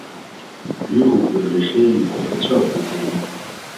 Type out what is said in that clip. Nu roepen we de regeringen op hetzelfde te doen.